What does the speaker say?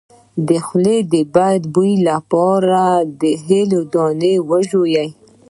د خولې د بد بوی لپاره د هل دانه وژويئ